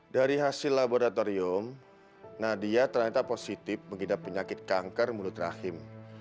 dari hasil laboratorium nadia ternyata positif mengidap penyakit kanker mulut rahim